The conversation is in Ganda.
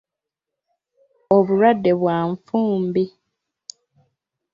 Obulwadde bwa nfumbi.